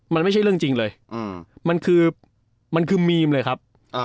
มันไม่ใช่เรื่องจริงเลยมันคือมันคือมีมเลยครับ